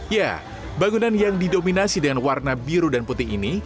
ya bangunan yang didominasi dengan warna biru dan putih ini